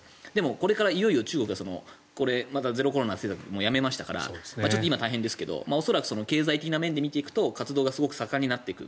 これからいよいよ中国がゼロコロナ政策やめましたから今、大変ですけど経済的な面で見ていくと活動がすごく盛んになっていく。